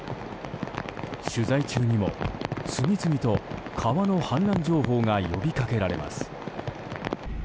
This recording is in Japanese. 取材中にも次々と川の氾濫情報が呼びかけられます。